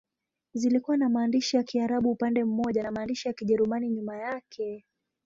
Zilikuwa na maandishi ya Kiarabu upande mmoja na maandishi ya Kijerumani nyuma yake.